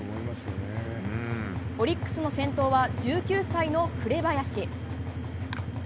オリックスの先頭は１９歳の紅林。